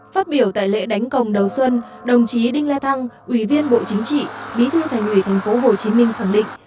phát biểu tại lễ đánh công đầu xuân đồng chí đinh la thăng ủy viên bộ chính trị bí thư thành ủy tp hcm khẳng định